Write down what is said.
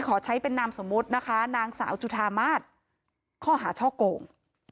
ขอใช้เป็นนามสมมุตินะคะนางสาวจุธามาศข้อหาช่อโกง